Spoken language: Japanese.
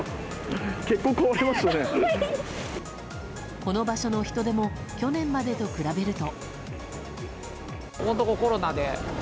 この場所の人出も去年までと比べると。